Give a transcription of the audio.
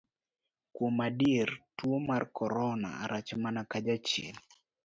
Kuom adier, tuo mar korona rach mana ka jachien.